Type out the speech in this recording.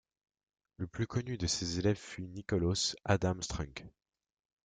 Le plus connu de ses élèves fut Nicolaus Adam Strungk.